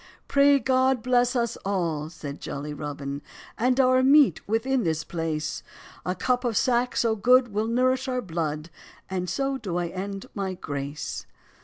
"Pray God bless us all," said jolly Robin, "And our meat within this place; A cup of sack so good will nourish our blood, And so do I end my grace."